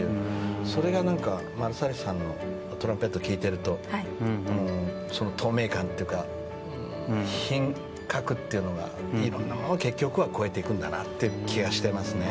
それがマルサリスさんのトランペットを聴いているとその透明感というか品格がいろんなものを結局は越えていく気がしますね。